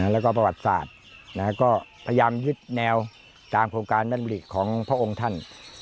แล้วก็ประวัติศาสตร์ก็พยายามยึดแนวตามโครงการแม่บุริของพระองค์ท่าน